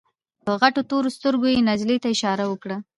په غټو تورو سترګو يې نجلۍ ته اشاره وکړه.